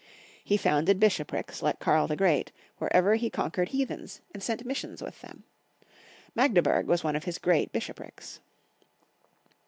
He founded bish oprics, like Karl the Great, wherever he conquered heathens, and sent missions with them. Magde burg was one of his great bishoprics.